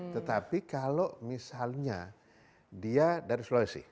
tetapi kalau misalnya dia dari sulawesi